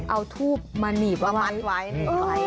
เอาทูบมาหนีบไว้